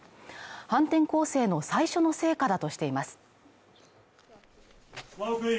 反転攻勢の最初の成果だとしています。